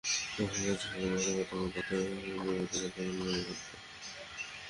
বস্তুত, একটি স্বাধীন রাষ্ট্রের প্রাথমিক দায়িত্বই অভ্যন্তরীণ নিরাপত্তা, যার প্রধান জননিরাপত্তা।